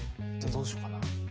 どうしようかな。